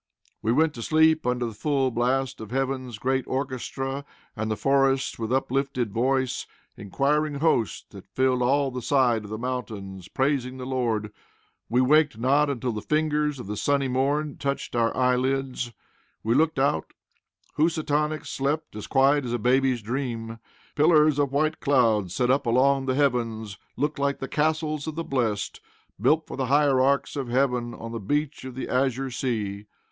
We went to sleep under the full blast of heaven's great orchestra, and the forests with uplifted voice, in choiring hosts that filled all the side of the mountains, praising the Lord. We waked not until the fingers of the sunny morn touched our eyelids. We looked out and. Housatonic slept as quiet as a baby's dream. Pillars of white cloud set up along the heavens looked like the castles of the blest, built for hierarchs of heaven on the beach of the azure sea.